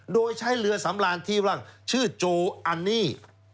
โดยใช้เรือสำรานที่ว่าชื่อโจอันนี่